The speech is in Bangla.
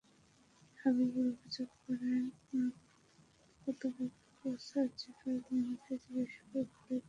হাবিবুর অভিযোগ করেন, কপোতাক্ষ সার্জিক্যাল ক্লিনিকে চিকিৎসকের ভুল চিকিৎসার কারণে রেক্সোনার মৃত্যু হয়েছে।